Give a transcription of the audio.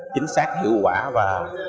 chính xác hiệu quả và